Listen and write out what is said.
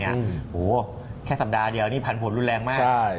โอ้โหแค่สัปดาห์เดียวนี่ผันผลรุนแรงมาก